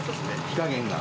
火加減が？